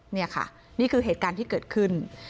นี่ค่ะนี่คือเหตุการณ์ที่เกิดขึ้น